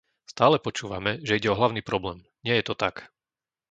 Stále počúvame, že ide o hlavný problém - nie je to tak!